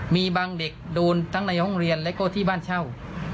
มีบางเด็กโดนทั้งในห้องเรียนและก็ที่บ้านเช่า